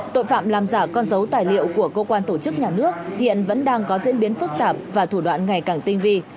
tội phạm làm giả con dấu tài liệu của cơ quan tổ chức nhà nước hiện vẫn đang có diễn biến phức tạp và thủ đoạn ngày càng tinh vi